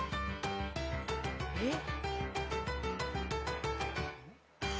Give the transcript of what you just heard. えっ？